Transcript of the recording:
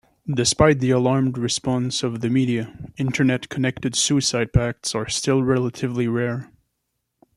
Despite the alarmed response of the media, Internet-connected suicide pacts are still relatively rare.